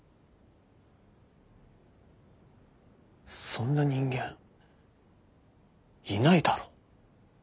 そんな人間いないだろ。